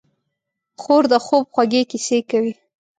خور د خوب خوږې کیسې کوي.